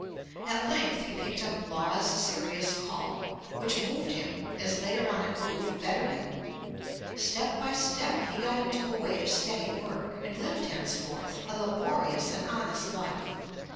At length he picked up Law's Serious Call, which moved him, as later on it moved better men (ante, i. 68). Step by step he got into a way of steady work, and lived henceforth a laborious and honest life.